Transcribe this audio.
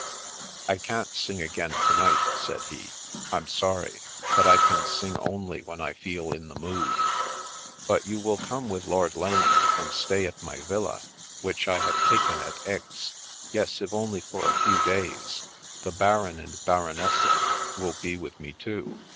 " I can't sing again to night," said he. " I'm sorry, but I can sing only when I feel in the mood." " But you will come with Lord Lane, and stay at my villa, which I have taken at Aix — ^yes, if only for a few days ? The Baron and Baronessa will be with me, too.